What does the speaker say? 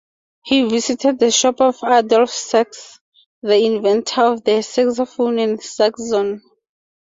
He visited the shop of Adolphe Sax, the inventor of the saxophone and saxhorn.